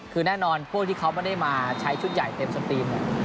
คือแน่นอนพวกที่เขาไม่ได้มาใช้ชุดใหญ่เต็มสตรีมเนี่ย